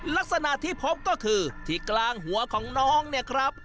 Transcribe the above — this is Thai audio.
ลักษณะที่พบก็คือที่กลางหัวของน้องเนี่ยครับ